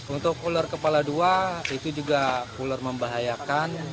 untuk ular kepala dua itu juga ular membahayakan